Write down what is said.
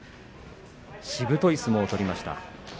しぶとい相撲を取りました。